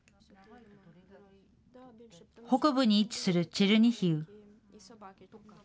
北部に位置するチェルニヒウ。